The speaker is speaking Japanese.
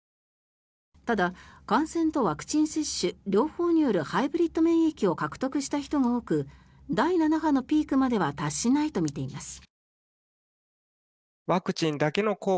ただ、感染とワクチン接種両方によるハイブリッド免疫を獲得した人が多く第７波のピークまでは達しないとみています。